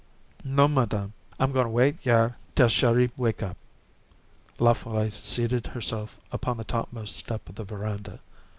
"Non, madame. I'm goin' wait yair tell Chéri wake up." La Folle seated herself upon the topmost step of the veranda.